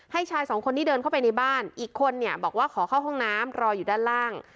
ชายสองคนที่เดินเข้าไปในบ้านอีกคนเนี่ยบอกว่าขอเข้าห้องน้ำรออยู่ด้านล่าง